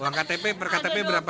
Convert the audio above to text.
uang ktp per ktp berapa